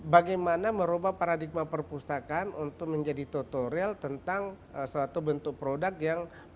bagaimana merubah paradigma perpustakaan untuk menjadi tutorial tentang suatu bentuk produk yang